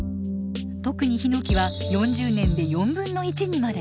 特にヒノキは４０年で４分の１にまで。